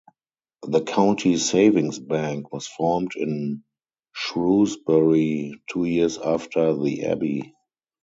The County Savings Bank was formed in Shrewsbury two years after the Abbey.